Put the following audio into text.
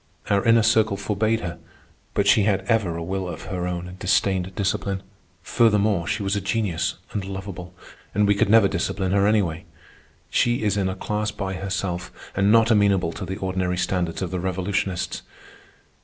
Our Inner Circle forbade her, but she had ever a will of her own and disdained discipline. Furthermore, she was a genius and lovable, and we could never discipline her anyway. She is in a class by herself and not amenable to the ordinary standards of the revolutionists.